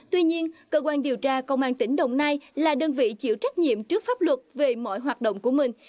tuy nhiên cơ quan điều tra công an tỉnh đồng nai là đơn vị chịu trách nhiệm trước pháp luật về mọi hoạt động của mình